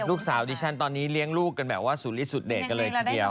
ดิฉันตอนนี้เลี้ยงลูกกันแบบว่าสุริสุดเดชกันเลยทีเดียว